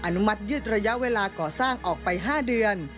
อนุมัติยืดระยะเวลาก่อสร้างออกไป๕เดือน